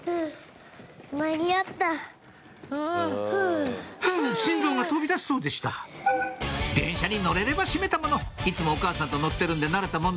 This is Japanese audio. フゥ心臓が飛び出しそうでした電車に乗れればしめたものいつもお母さんと乗ってるんで慣れたもんです